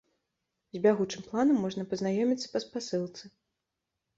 З бягучым планам можна пазнаёміцца па спасылцы.